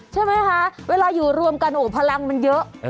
ใช่ไหมคะเวลาอยู่รวมกันพลังมันเยอะ